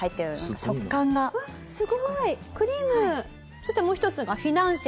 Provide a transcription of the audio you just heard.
そしてもう一つがフィナンシェ。